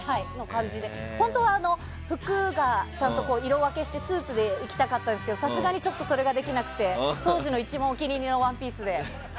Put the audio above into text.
本当は、服を色分けしてスーツで行きたかったんですけどさすがにそれができなくて当時の一番お気に入りのワンピースで。